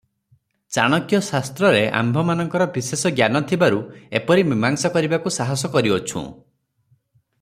ଚାଣକ୍ୟ ଶାସ୍ତ୍ରରେ ଆମ୍ଭମାନଙ୍କର ବିଶେଷ ଜ୍ଞାନ ଥିବାରୁ ଏପରି ମୀମାଂସା କରିବାକୁ ସାହସ କରିଅଛୁଁ ।